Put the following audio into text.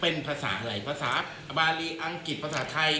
เป็นภาษาอะไรภาษาอบารีอังกฤษภาษาไทย